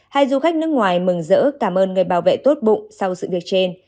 hai du khách nước ngoài mừng rỡ cảm ơn người bảo vệ tốt bụng sau sự việc trên